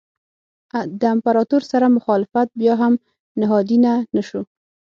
د امپراتور سره مخالفت بیا هم نهادینه نه شو.